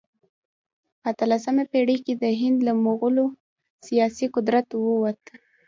په اتلسمه پېړۍ کې د هند له مغولو سیاسي قدرت ووت.